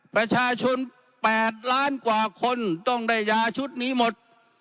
ประชาชน๘ล้านกว่าคนต้องได้ยาชุดนี้หมด